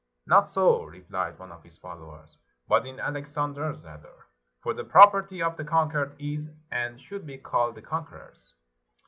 " Not so," replied one of his followers, "but in Alexander's rather; for the property of the conquered is, and should be called the conqueror's."